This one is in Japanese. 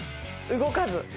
動かず！